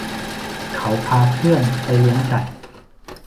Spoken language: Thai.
เขาพาเพื่อนไปเลี้ยงไก่